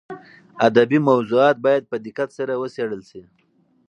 ادبي موضوعات باید په دقت سره وڅېړل شي.